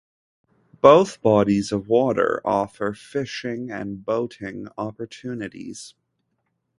Both bodies of water offer fishing and boating opportunities.